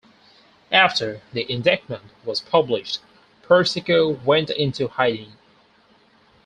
After the indictment was published, Persico went into hiding.